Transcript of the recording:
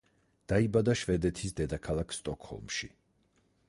დაიბადა შვედეთის დედაქალაქ სტოკჰოლმში.